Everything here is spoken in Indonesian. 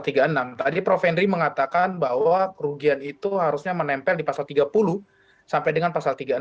tadi prof henry mengatakan bahwa kerugian itu harusnya menempel di pasal tiga puluh sampai dengan pasal tiga puluh enam